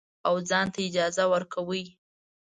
او ځان ته اجازه ورکوي.